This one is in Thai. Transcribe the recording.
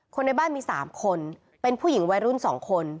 ในบ้านมี๓คนเป็นผู้หญิงวัยรุ่น๒คน